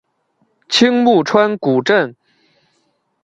青木川古镇